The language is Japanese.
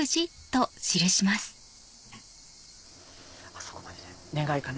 あそこまで願いかな